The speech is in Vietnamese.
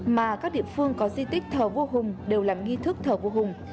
mà các địa phương có di tích thờ vua hùng đều làm nghi thức thờ vua hùng